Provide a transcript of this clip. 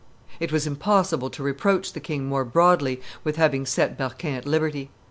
It was impossible to reproach the king more broadly with having set Berquin at liberty.